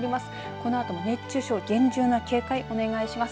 このあとも熱中症厳重な警戒をお願いします。